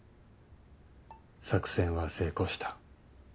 作戦は成功した。